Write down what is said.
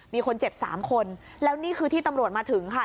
มีคนเจ็บสามคนแล้วนี่คือที่ตำรวจมาถึงค่ะ